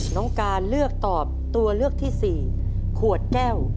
น้องการเลือกตอบตัวเลือกที่๔ขวดแก้ว